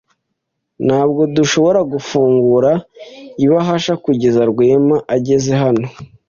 Ntabwo dushobora gufungura ibahasha kugeza Rwema ageze hano.